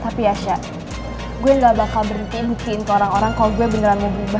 tapi ya sha gue gak bakal berhenti bukiin ke orang orang kalo gue beneran mau berubah